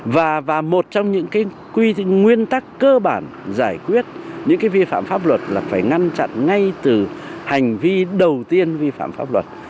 và một trong những nguyên tắc cơ bản giải quyết những vi phạm pháp luật là phải ngăn chặn ngay từ hành vi đầu tiên vi phạm pháp luật